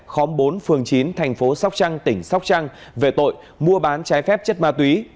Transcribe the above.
khóm bốn phường chín thành phố sóc trăng tỉnh sóc trăng về tội mua bán trái phép chất ma túy